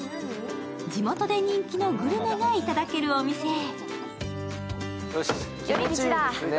地元で人気のグルメがいただけるお店へ。